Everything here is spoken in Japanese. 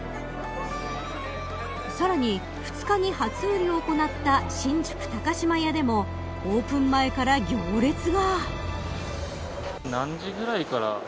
さらに、２日に初売りを行った新宿高島屋でもオープン前から行列が。